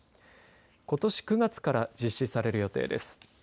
ことし９月から実施される予定です。